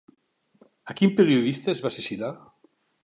A quin periodista es va assassinar?